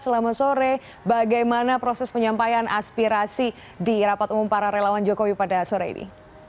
selama sore bagaimana proses penyampaian aspirasi di rapat umum para relawan jokowi pada sore ini